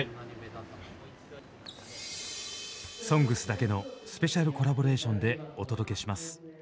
」だけのスペシャルコラボレーションでお届けします。